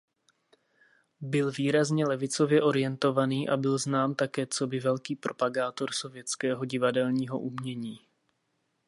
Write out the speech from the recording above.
Byl výrazně levicově orientovaný a byl znám také coby velký propagátor sovětského divadelního umění.